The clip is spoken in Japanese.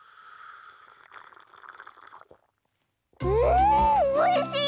んおいしい！